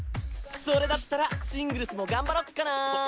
それだったらシングルスも頑張ろっかな！